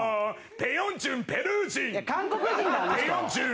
「ペ・ヨンジュンペルー人」